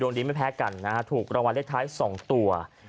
ดีไม่แพ้กันนะฮะถูกรางวัลเลขท้าย๒ตัว